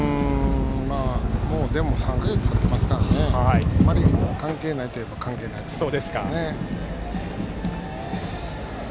もう３か月がたっていますからあまり関係ないといえば関係ないですよね。